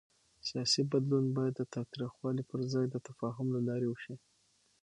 سیاسي بدلون باید د تاوتریخوالي پر ځای د تفاهم له لارې وشي